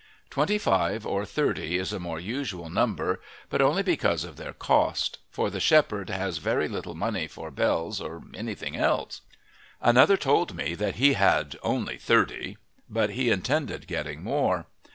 Twenty five or thirty is a more usual number, but only because of their cost, for the shepherd has very little money for bells or anything else. Another told me that he had "only thirty," but he intended getting more.